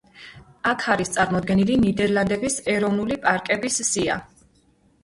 აქ არის წარმოდგენილი ნიდერლანდების ეროვნული პარკების სია.